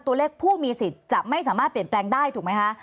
ตัวเลขผู้มีสิทธิ์จะไม่สามารถเปลี่ยนแปลงได้ถูกไหมคะ